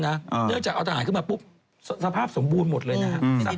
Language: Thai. เนื่องจากเอาทหารขึ้นมาปุ๊บสภาพสมบูรณ์หมดเลยนะครับ